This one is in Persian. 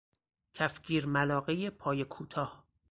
کفگیر ملاقه پایه کوتاه